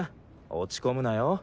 落ち込むなよ。